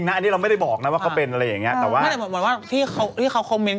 แล้วมันคุณจะปิดเครื่อง